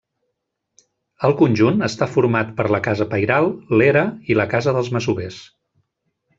El conjunt està format per la casa pairal, l'era i la casa dels masovers.